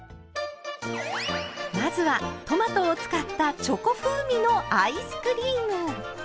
まずはトマトを使ったチョコ風味のアイスクリーム。